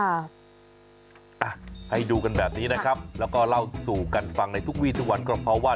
อ่ะให้ดูกันแบบนี้นะครับแล้วก็เล่าสู่กันฟังในทุกวีทุกวันก็เพราะว่า